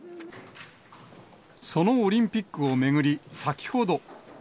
そのオリンピックを巡り、先ほど。